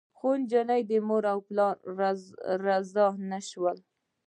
خو د نجلۍ مور او پلار راضي نه شول.